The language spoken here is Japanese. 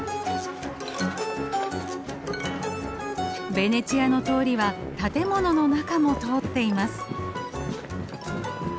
ベネチアの通りは建物の中も通っています。